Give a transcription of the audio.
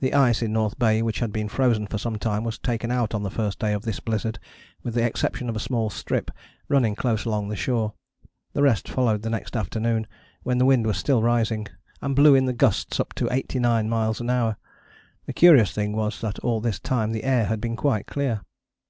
The ice in North Bay, which had been frozen for some time, was taken out on the first day of this blizzard, with the exception of a small strip running close along the shore. The rest followed the next afternoon, when the wind was still rising, and blew in the gusts up to 89 miles an hour. The curious thing was that all this time the air had been quite clear.